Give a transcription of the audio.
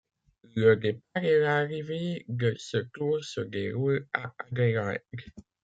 Le départ et l'arrivée de ce tour se déroulent à Adélaïde.